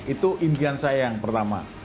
itu impian saya yang pertama